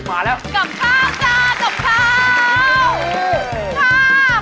กำข้าวจ้ากำขาว